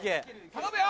頼むよ！